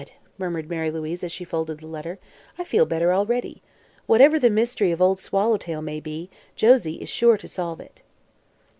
murmured Mary Louise, as she folded the letter. "I feel better already. Whatever the mystery of Old Swallowtail may be, Josie is sure to solve it."